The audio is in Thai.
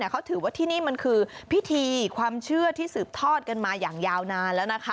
เขาถือว่าที่นี่มันคือพิธีความเชื่อที่สืบทอดกันมาอย่างยาวนานแล้วนะคะ